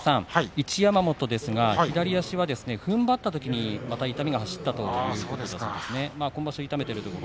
一山本ですがふんばったときに痛みが走ったという話です。